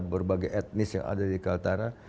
berbagai etnis yang ada di kaltara